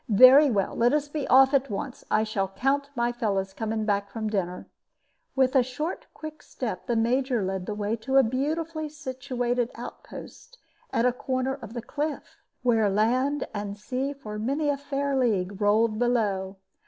Very well, let us be off at once. I shall count my fellows coming back from dinner." With a short quick step the Major led the way to a beautifully situated outpost at a corner of the cliff, where land and sea for many a fair league rolled below.